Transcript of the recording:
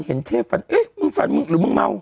เห็นเทพฝันเอ๊ะมึงฝันมึงหรือมึงเมา